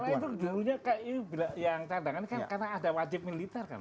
karena itu dulunya kayak ini yang cadangan ini ada wajib militer